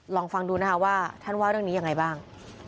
ลองฟังดูนะคะว่าท่านว่าเรื่องนี้ยังไงบ้าง